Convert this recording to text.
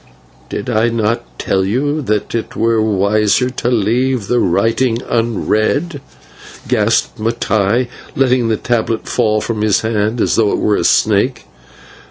"Did I not tell you that it were wiser to leave the writing unread," gasped Mattai, letting the tablet fall from his hand as though it were a snake.